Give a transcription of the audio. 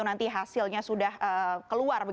nanti hasilnya sudah keluar